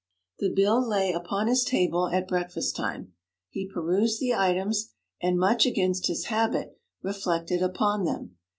The bill lay upon his table at breakfast time. He perused the items, and, much against his habit, reflected upon them.